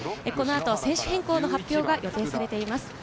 この後、選手変更の発表が予定されています。